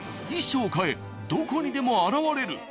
衣装を変えどこにでも現れる。